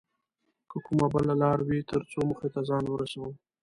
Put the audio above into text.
که کومه بله لاره وي تر څو موخې ته ځان ورسوو